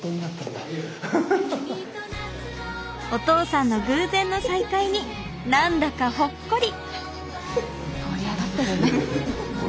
お父さんの偶然の再会に何だかほっこり！